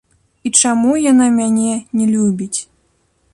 І чаму яна мяне не любіць?